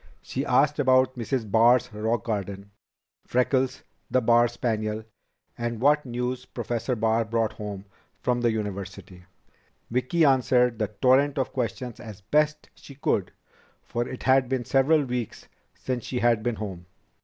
She asked about Mrs. Barr's rock garden; Freckles, the Barr spaniel; and what news Professor Barr brought home from the university. Vicki answered the torrent of questions as best she could, for it had been several weeks since she had been home.